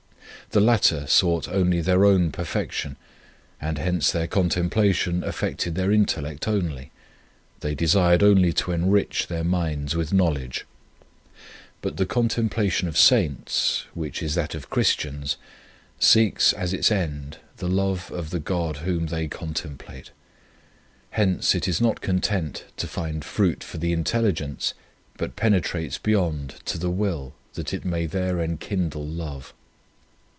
The latter sought only their own per fection, and hence their contempla tion affected their intellect only ; they desired only to enrich their minds with knowledge. But the them to the things which we experience here below. 60 The Contemplation of God contemplation of Saints, which is that of Christians, seeks as its end the love of the God Whom they contemplate. Hence it is not con tent to find fruit for the intelligence, but penetrates beyond to the will that it may there enkindle love.